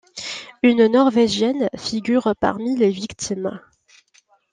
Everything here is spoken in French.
Une Norvégienne figure parmi les victimes.